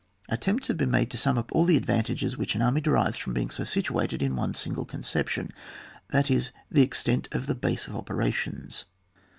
Attempts have been made to sum up all the advantages which an army derives from being so situated in one single conception, that is, the extent of the base of operations.